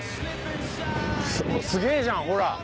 すげえじゃんほら。